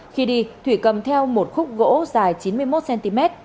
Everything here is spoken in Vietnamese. khi đi thủy cầm theo một khúc gỗ dài chín mươi một cm